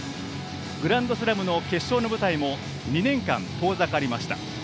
グランドスラムの決勝の舞台も２年間遠ざかりました。